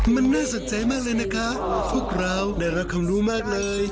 มันน่าสนใจมากเลยนะคะพวกเราได้รับความรู้มากเลย